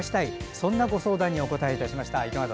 そんなご相談にお答えしました。